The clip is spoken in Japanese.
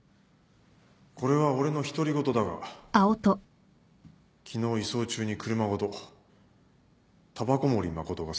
これは俺の独り言だが昨日移送中に車ごと煙草森誠がさらわれた。